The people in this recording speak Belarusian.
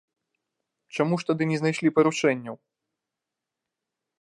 Чаму ж тады не знайшлі парушэнняў?